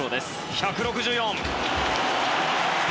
１６４。